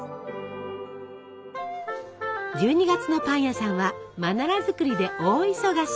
１２月のパン屋さんはマナラ作りで大忙し！